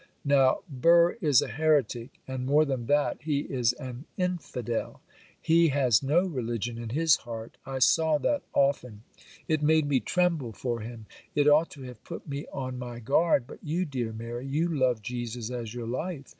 'Now, Burr is a heretic,—and more than that, he is an infidel,—he has no religion in his heart, I saw that often,—it made me tremble for him. It ought to have put me on my guard,—but you, dear Mary, you love Jesus as your life.